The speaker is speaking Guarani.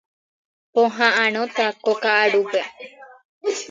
Poha'ãrõta ko ka'arúpe.